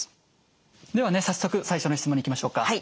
ではね早速最初の質問にいきましょうか。